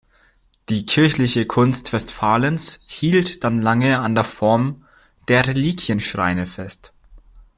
Die kirchliche Kunst Westfalens hielt dann lange an der Form der Reliquienschreine fest.